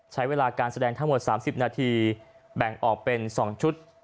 ใช้เวลาการแสดงทั้งหมด๓๐นาทีแบ่งออกเป็น๒ชุด